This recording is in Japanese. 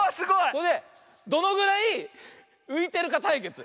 それでどのぐらいういてるかたいけつ。